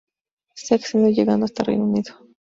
Se ha extendido llegando hasta Reino Unido.